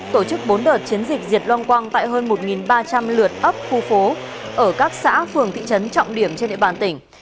tổ chức bốn đợt chiến dịch diệt loang quang tại hơn một ba trăm linh lượt ấp khu phố ở các xã phường thị trấn trọng điểm trên địa bàn tỉnh